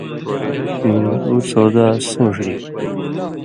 کھیں اُو سودا سُون٘ݜ رِن٘گیۡ تھُو۔